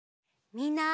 みんな。